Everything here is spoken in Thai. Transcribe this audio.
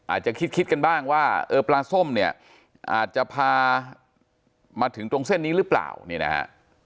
อาจจะคิดกันบ้างว่าเออปลาส้มเนี่ยอาจจะพามาถึงตรงเส้นนี้หรือเปล่าเนี่ยนะฮะ